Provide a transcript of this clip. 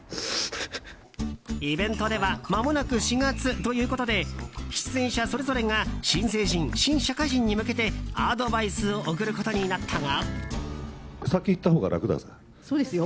イベントではまもなく４月ということで出演者それぞれが新成人新社会人に向けてアドバイスを送ることになったが。